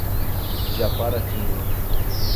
Japaratinga